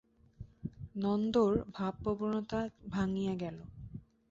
নন্দর ভাবপ্রবণতা ভাঙিয়া গেল।